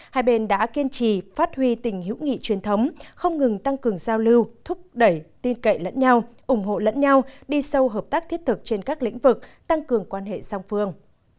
hai bên đã kiên trì phát huy tình hữu nghị truyền thống không ngừng tăng cường giao lưu thúc đẩy tin cậy lẫn nhau ủng hộ lẫn nhau đi sâu hợp tác thiết thực trên các lĩnh vực tăng cường quan hệ song phương